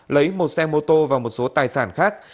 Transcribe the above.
lấy một xe mô tô và một số tài sản khác